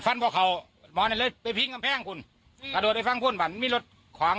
สิ้นก็ไม่พิงคำแพงคุณอืมสะดดไอฟังพูดว่ามีรถขวาง